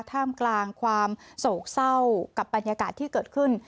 ท่ามกลางความโศกเศร้ากับบรรยากาศที่เกิดขึ้น